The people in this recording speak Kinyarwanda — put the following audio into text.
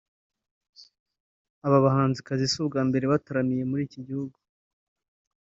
Aba bahanzikazi si ubwa mbere bataramiye muri iki gihugu